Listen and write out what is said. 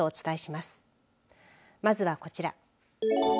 まずはこちら。